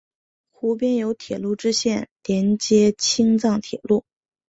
湖边有铁路支线连接青藏铁路。